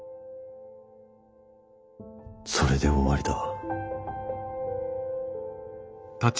それで終わりだ。